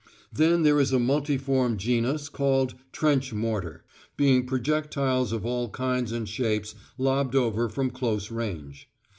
Then there is a multiform genus called "trench mortar," being projectiles of all kinds and shapes lobbed over from close range.